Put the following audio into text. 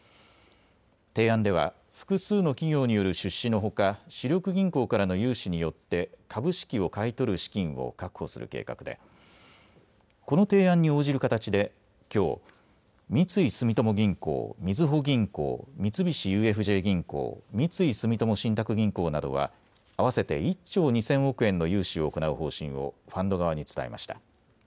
提案では複数の企業による出資のほか主力銀行からの融資によって株式を買い取る資金を確保する計画でこの提案に応じる形できょう、三井住友銀行、みずほ銀行、三菱ＵＦＪ銀行、三井住友信託銀行などは合わせて１兆２０００億円の融資を行う方針をファンド側に伝えました。